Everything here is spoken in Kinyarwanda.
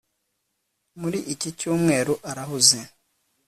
muri iki cyumweru arahuze